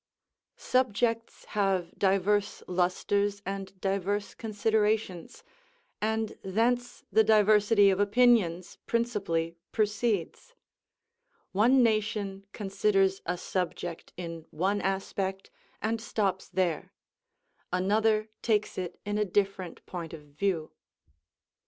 Subjects have divers lustres and divers considerations, and thence the diversity of opinions principally proceeds; one nation considers a subject in one aspect, and stops there: another takes it in a different point of view.